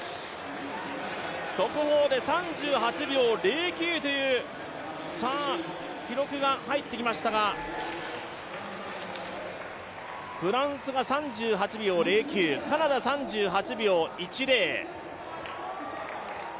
速報で３８秒０９という記録が入ってきましたが、フランスが３８秒０９、カナダ３８秒１０。